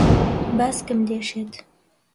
باسکم دێشێت.